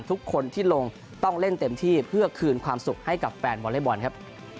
ทุกคนที่ลงต้องเล่นเต็มที่เพื่อคืนความสุขให้กับแฟนวอเล็กบอลครับ